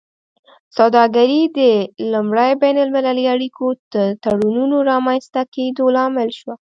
سوداګري د لومړي بین المللي اړیکو او تړونونو رامینځته کیدو لامل شوه